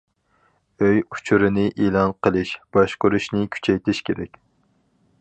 ئۆي ئۇچۇرىنى ئېلان قىلىش، باشقۇرۇشنى كۈچەيتىش كېرەك.